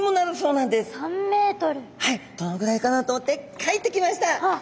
はいどのぐらいかなと思って描いてきました。